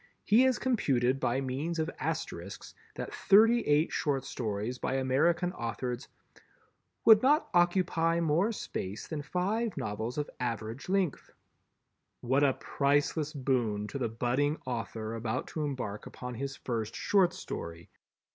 He has computed by means of Asterisks, that thirty eight short stories by American authors "would not occupy more space than five novels of average length." What a priceless boon to the budding author about to embark upon his first short story!